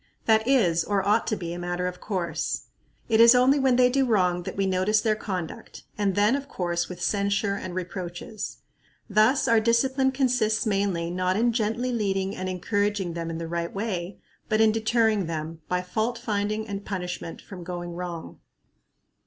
That is, or ought to be, a matter of course. It is only when they do wrong that we notice their conduct, and then, of course, with censure and reproaches. Thus our discipline consists mainly, not in gently leading and encouraging them in the right way, but in deterring them, by fault finding and punishment, from going wrong.